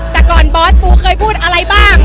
แต่ก่อนบอสปูเคยพูดอะไรบ้าง